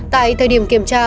tại thời điểm kiểm tra